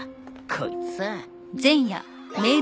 こいつさぁ。